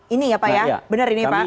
ini ya pak ya benar ini pak